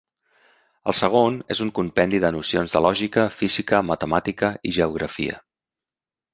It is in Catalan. El segon, és un compendi de nocions de lògica, física, matemàtica i geografia.